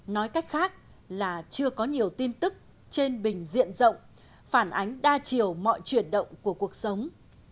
nói cách khác là chưa có nhiều tin tức trên bình diện rộng phản ánh đa chiều mọi chuyển động của cuộc sống